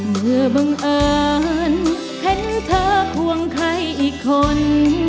บังเอิญเห็นเธอควงใครอีกคน